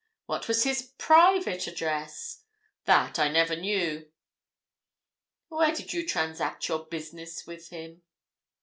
"What was his private address?" "That I never knew." "Where did you transact your business with him?"